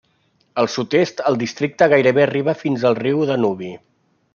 Al sud-est el districte gairebé arriba fins al riu Danubi.